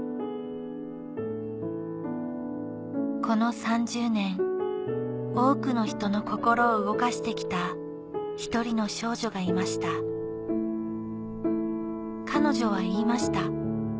この３０年多くの人の心を動かして来た１人の少女がいました彼女は言いました